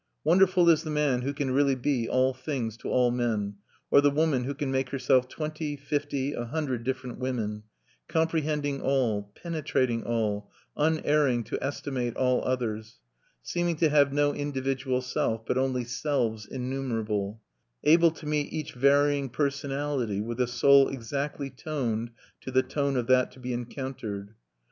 Wonderful is the man who can really "be all things to all men," or the woman who can make herself twenty, fifty, a hundred different women, comprehending all, penetrating all, unerring to estimate all others; seeming to have no individual self, but only selves innumerable; able to meet each varying personality with a soul exactly toned to the tone of that to be encountered.